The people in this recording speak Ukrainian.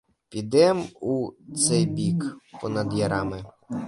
Підем у цей бік, понад ярами.